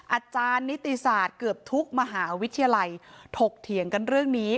อาจารย์นิติศาสตร์เกือบทุกมหาวิทยาลัยถกเถียงกันเรื่องนี้